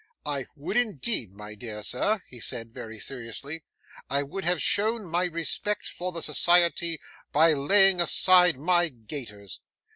'I would, indeed, my dear sir,' he said very seriously; 'I would have shown my respect for the society, by laying aside my gaiters.